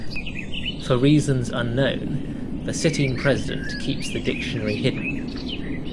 For reasons unknown, the sitting president keeps the dictionary hidden.